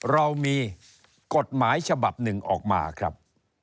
เรามีกฎหมายฉบับหนึ่งออกมาครับ